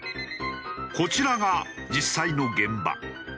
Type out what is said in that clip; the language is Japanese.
こちらが実際の現場。